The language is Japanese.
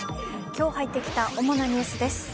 今日入ってきた主なニュースです。